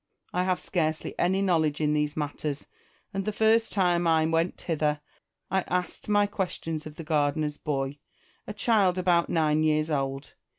I have scarcely any knowledge in these matters ; and the first time I went thither I asked many questions of the gardener's boy, a child about nine years old.